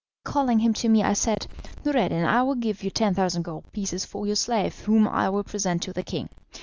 Calling him to me, I said: "Noureddin, I will give you 10,000 gold pieces for your slave, whom I will present to the king.